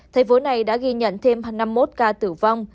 thành phố này đã ghi nhận thêm năm mươi một ca tử vong